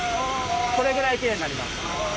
これぐらいきれいになります。